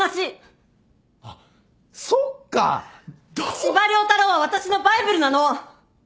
司馬遼太郎は私のバイブルなの！